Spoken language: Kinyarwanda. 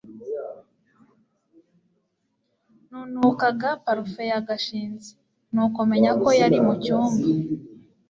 nunukaga parufe ya gashinzi, nuko menya ko yari mucyumba